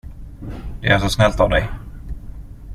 Det är så snällt av dig.